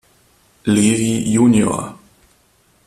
Levy Jr.